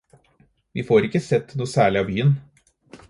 Vi får ikke sett noe særlig av byen.